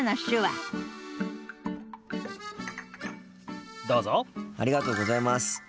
ありがとうございます。